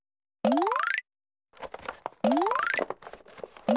うん？